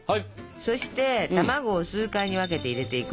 そして卵を数回に分けて入れていく。